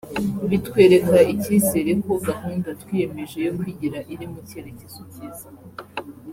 bitwereka icyizere ko gahunda twiyemeje yo kwigira iri mu cyerekezo cyiza